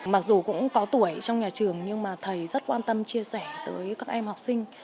mặc dù cũng có tuổi trong nhà trường nhưng mà thầy rất quan tâm chia sẻ tới các em học sinh